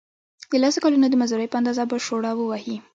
د لسو کلونو د مزدورۍ په اندازه به شوړه ووهي.